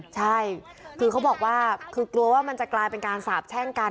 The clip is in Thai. ใช่คือเขาบอกว่าคือกลัวว่ามันจะกลายเป็นการสาบแช่งกัน